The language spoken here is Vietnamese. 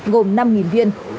gồm năm viên